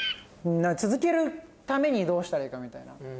続けるためにどうしたらいいかみたいな。